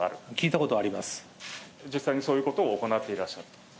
実際にそういうことを行っていらした。